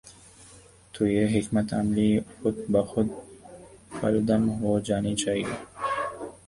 تو یہ حکمت عملی خود بخود کالعدم ہو جا نی چاہیے۔